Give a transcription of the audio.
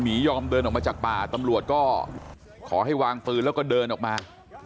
ยอมเดินออกมาจากป่าตำรวจก็ขอให้วางปืนแล้วก็เดินออกมา